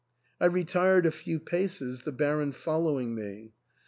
I retired a few paces, the Baron following me.